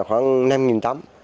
khoảng năm tấm